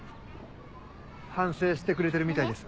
反省してくれてるみたいです。